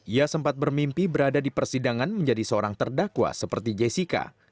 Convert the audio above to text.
ia sempat bermimpi berada di persidangan menjadi seorang terdakwa seperti jessica